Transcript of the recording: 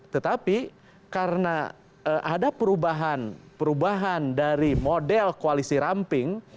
tetapi karena ada perubahan perubahan dari model koalisi ramping